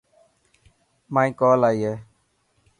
مائي ڪول آئي هي.